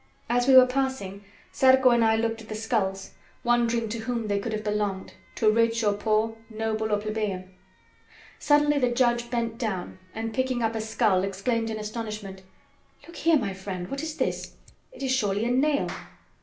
As we were passing, Zarco and I looked at the skulls, wondering to whom they could have belonged, to rich or poor, noble or plebeian. Suddenly the judge bent down, and picking up a skull, exclaimed in astonishment: "Look here, my friend, what is this? It is surely a nail!"